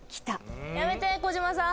やめて児嶋さん